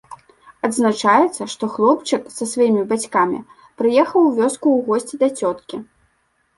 Адзначаецца, што хлопчык са сваімі бацькамі прыехаў у вёску ў госці да цёткі.